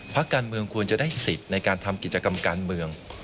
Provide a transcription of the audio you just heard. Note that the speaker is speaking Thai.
พักการเมืองควรจะได้สิทธิ์ในการทำกิจกรรมการเมือง